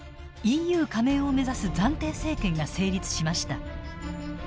ＥＵ加盟を目指す暫定政権が成立しました。